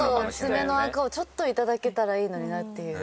爪の垢をちょっといただけたらいいのになっていう。